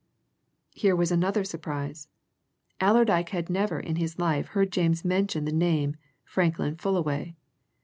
Here was another surprise: Allerdyke had never in his life heard James mention the name Franklin Fullaway.